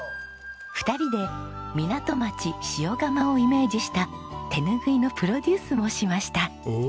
２人で港町塩竈をイメージした手ぬぐいのプロデュースもしました。